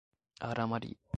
Aramari